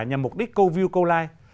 nhằm mục đích cầu view cầu like